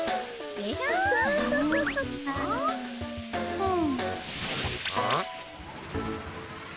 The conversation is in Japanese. うん？